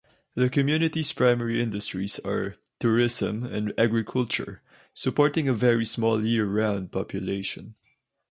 The community's primary industries are tourism and agriculture supporting a very small year-round population.